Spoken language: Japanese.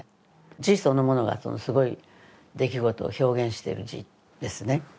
字そのものがすごい出来事を表現してる字ですね。